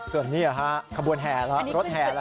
ส่วนนี้ค่ะขบวนแหละรถแหละ